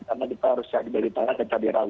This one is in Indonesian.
karena kita harus cari dari tanah ke kbrw